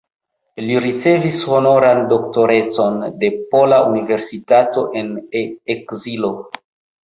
Li ricevis honoran doktorecon de Pola Universitato en Ekzilo.